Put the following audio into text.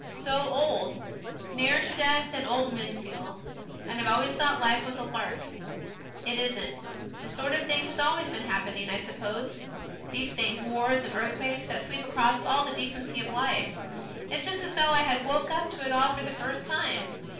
So old! Nearer to death than old men feel. And I've always thought life was a lark. It isn't.... This sort of thing has always been happening, I suppose these things, wars and earthquakes, that sweep across all the decency of life. It's just as though I had woke up to it all for the first time.